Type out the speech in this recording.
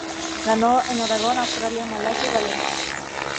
Ganó en Aragón, Australia, Malasia y Valencia.